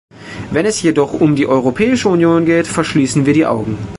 Wenn es jedoch um die Europäische Union geht, verschließen wir die Augen.